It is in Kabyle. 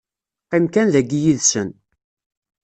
Qqim kan dahi yid-sen.